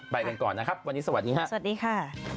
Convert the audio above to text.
ไปกันก่อนนะครับวันนี้สวัสดีครับสวัสดีค่ะ